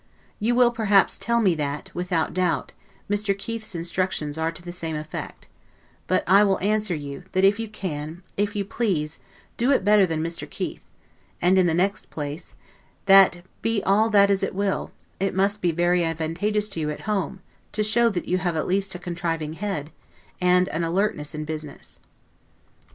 You will perhaps tell me that, without doubt, Mr. Keith's instructions are to the same effect: but I will answer you, that you can, IF YOU PLEASE, do it better than Mr. Keith; and in the next place that, be all that as it will, it must be very advantageous to you at home, to show that you have at least a contriving head, and an alertness in business.